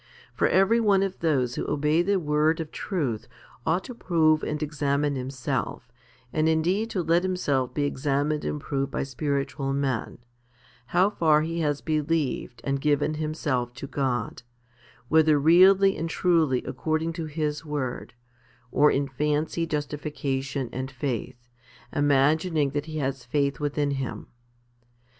For every one of those who obey the word of truth ought to prove and examine himself, and indeed to let himself be examined and proved by spiritual men, how far he has believed and given himself to God, whether really and truly according to His word, or in fancied justification and faith, imagining that he has faith within him.